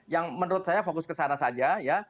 jadi itu menurut saya fokus ke sana saja ya